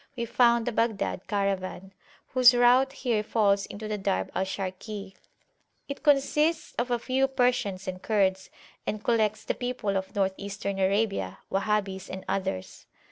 We found the Baghdad Caravan, whose route here falls into the Darb al Sharki. It consists of a few Persians and Kurds, and collects the people of North Eastern Arabia, Wahhabis and others.